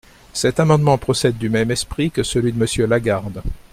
Cet amendement procède du même esprit que celui de Monsieur Lagarde.